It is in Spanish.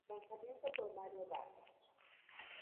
Lanzamiento poemario "Das!